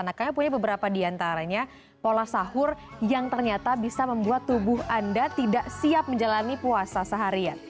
nah kami punya beberapa diantaranya pola sahur yang ternyata bisa membuat tubuh anda tidak siap menjalani puasa seharian